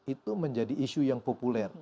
itu menjadi isu yang populer